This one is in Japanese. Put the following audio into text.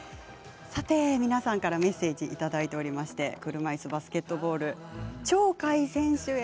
皆さんからメッセージいただいておりまして車いすバスケットボール鳥海選手へ。